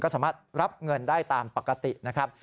สามารถรับเงินได้ตามปกตินะครับ